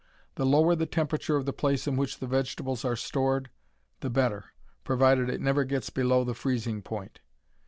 The lower the temperature of the place in which vegetables are stored the better, provided it never gets below the freezing point.